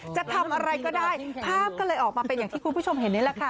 จะทำอะไรก็ได้ภาพก็เลยออกมาเป็นอย่างที่คุณผู้ชมเห็นนี่แหละค่ะ